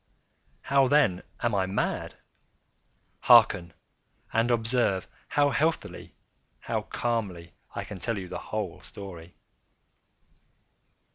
How, then, am I mad? Hearken! and observe how healthily—how calmly I can tell you the whole story.